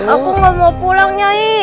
aku tidak mau pulang nyai